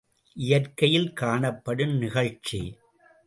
இயற்கையில் காணப்படும் நிகழ்ச்சி.